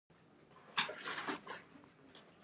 مچمچۍ د نظم نښه ده